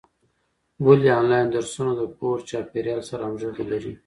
ولي انلاين درسونه د کور چاپيريال سره همغږي لري؟